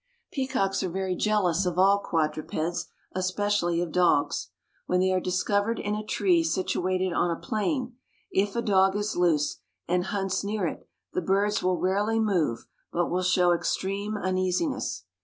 Peacocks are very jealous of all quadrupeds, especially of dogs. When they are discovered in a tree situated on a plain, if a dog is loose and hunts near it, the birds will rarely move but will show extreme uneasiness.